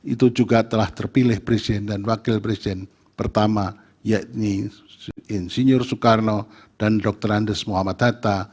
itu juga telah terpilih presiden dan wakil presiden pertama yakni insinyur soekarno dan dr andes muhammad hatta